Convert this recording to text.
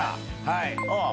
はい。